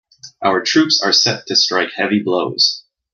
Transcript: Our troops are set to strike heavy blows.